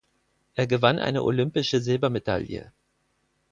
Er gewann eine olympische Silbermedaille.